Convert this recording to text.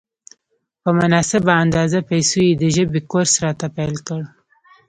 په مناسبه اندازه پیسو یې د ژبې کورس راته پېل کړ.